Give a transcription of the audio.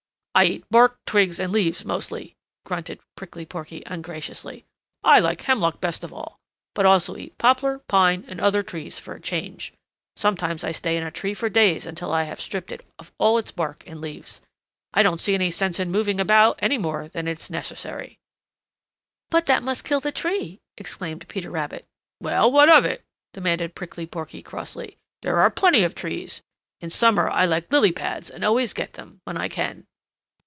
"I eat bark, twigs and leaves mostly," grunted Prickly Porky ungraciously. "I like hemlock best of all, but also eat poplar, pine and other trees for a change. Sometimes I stay in a tree for days until I have stripped it of all its bark and leaves. I don't see any sense in moving about any more than is necessary." "But that must kill the tree!" exclaimed Peter Rabbit. "Well, what of it?" demanded Prickly Porky crossly. "There are plenty of trees. In summer I like lily pads and always get them when I can."